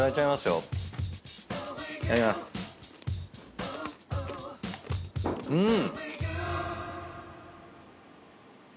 うん！